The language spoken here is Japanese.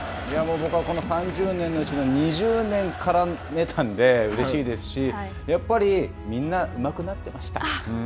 僕はこの３０年のうちの２０年から出たんで、うれしいですしやっぱりみんなうまくなっていました。